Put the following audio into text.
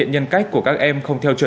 em chưa có bảo lệ xe